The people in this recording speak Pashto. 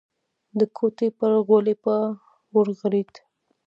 د کوټې پر غولي به ورغړېد.